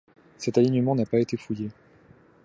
Cet alignement n'a pas été fouillé.